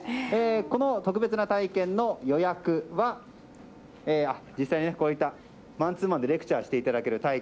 この特別な体験の予約は実際にマンツーマンでレクチャーしていただける体験